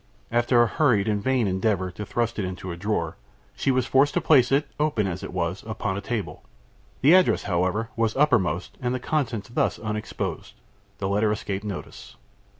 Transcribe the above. After a hurried and vain endeavor to thrust it in a drawer, she was forced to place it, open as it was, upon a table. The address, however, was uppermost, and, the contents thus unexposed, the letter escaped notice.